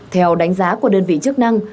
theo đánh giá của đơn vị chức năng